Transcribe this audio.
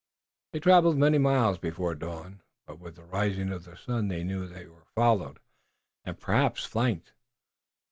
They traveled many miles before dawn, but with the rising of the sun they knew that they were followed, and perhaps flanked.